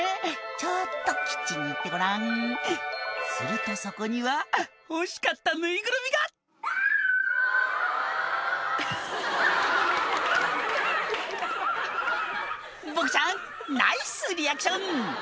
ちょっとキッチンに行ってごらんするとそこには欲しかったぬいぐるみがボクちゃんナイスリアクション！